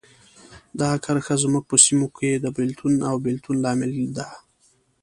دا کرښه زموږ په سیمو کې د بېلتون او بیلتون لامل ده.